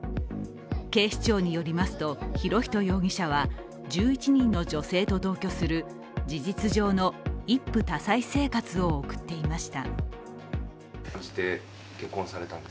警視庁によりますと、博仁容疑者は１１人の女性と同居する事実上の一夫多妻生活を送っていました。